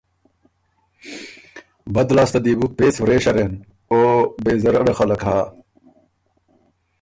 بد لاسته دی بو پېڅ ورے شرېن او بې ضرره خلق هۀ